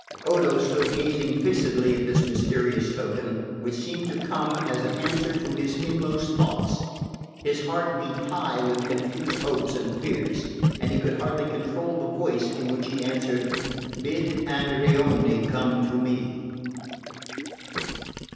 Odo stood gazing fixedly at this mysterious token, which seemed to come as an answer to his inmost thoughts. His heart beat high with confused hopes and fears, and he could hardly control the voice in which he answered: "Bid Andreoni come to me."